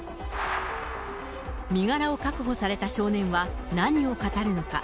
身柄を確保された少年は何を語るのか。